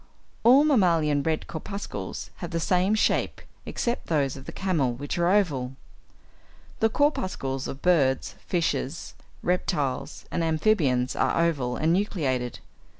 All mammalian red corpuscles have the same shape, except those of the camel, which are oval. The corpuscles of birds, fishes, reptiles, and amphibians, are oval and nucleated.